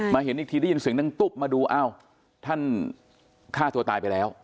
เห็นอีกทีได้ยินเสียงดังตุ๊บมาดูอ้าวท่านฆ่าตัวตายไปแล้ว